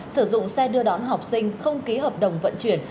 sử dụng xe đưa đón học sinh không ký hợp đồng vận chuyển